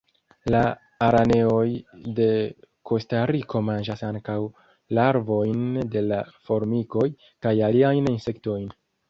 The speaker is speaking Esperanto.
La araneoj de Kostariko manĝas ankaŭ larvojn de la formikoj, kaj aliajn insektojn.